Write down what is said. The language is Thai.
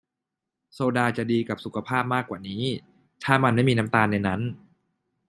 โซดาจะดีกับสุขภาพมากกว่านี้ ถ้ามันไม่มีน้ำตาลในนั้น